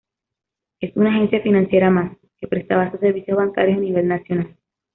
Es una agencia financiera más que prestaba sus servicios bancarios a nivel nacional.